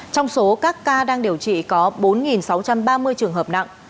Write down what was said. trong số các ca đang điều trị có bốn sáu trăm ba mươi trường hợp nặng